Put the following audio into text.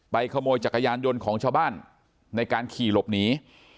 ขโมยจักรยานยนต์ของชาวบ้านในการขี่หลบหนี